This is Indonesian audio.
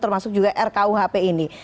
termasuk juga rkuhp ini